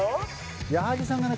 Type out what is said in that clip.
矢作さんがね